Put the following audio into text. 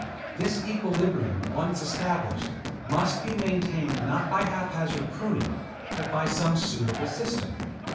This equilibrium once established must be maintained not by haphazard pruning, but by some suitable system.